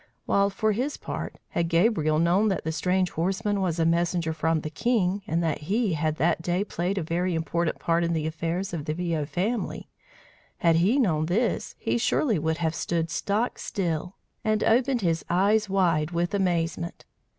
While for his part, had Gabriel known that the strange horseman was a messenger from the king, and that he had that day played a very important part in the affairs of the Viaud family, had he known this, he surely would have stood stock still and opened his eyes wide with amazement!